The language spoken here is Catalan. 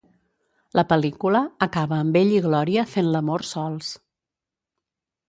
La pel·lícula acaba amb ell i Glòria fent l'amor sols.